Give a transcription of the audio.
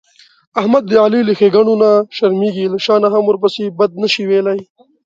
احمد د علي له ښېګڼونه شرمېږي، له شا نه هم ورپسې بد نشي ویلای.